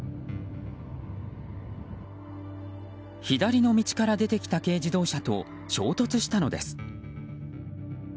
左の道から出てきた軽自動車と衝突したのです。